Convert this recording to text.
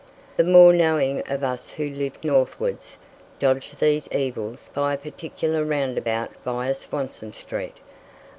The more knowing of us who lived northwards dodged these evils by a particular roundabout via Swanston street.